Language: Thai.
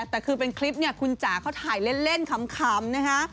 แต่คือเป็นคลิปเนี่ยคุณจ๋าเขาถ่ายเล่นขำนะคะ